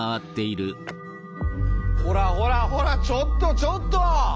ほらほらほらちょっとちょっと！